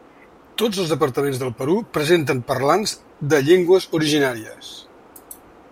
Tots els departaments del Perú presenten parlants de llengües originàries.